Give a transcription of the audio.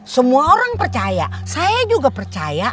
semua orang percaya saya juga percaya